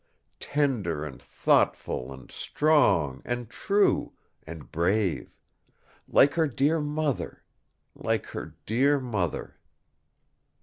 Tender, and thoughtful, and strong, and true, and brave! Like her dear mother! like her dear mother!"